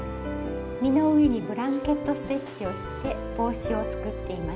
実の上にブランケット・ステッチをして帽子を作っています。